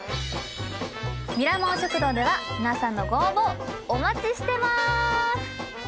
ミラモン食堂では皆さんのご応募お待ちしてます。